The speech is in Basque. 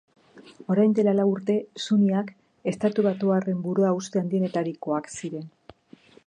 Orain dela lau urte, suniak estatubatuarren buruhauste handienetarikoak ziren.